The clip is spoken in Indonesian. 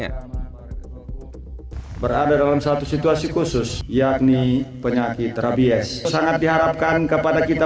ya berada dalam satu situasi khusus yakni penyakit rabies sangat diharapkan kepada kita